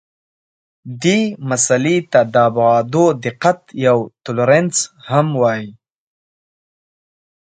دې مسئلې ته د ابعادو دقت یا تولرانس هم وایي.